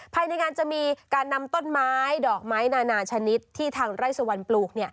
ภายในงานจะมีการนำต้นไม้ดอกไม้นานาชนิดที่ทางไร่สวรรณปลูก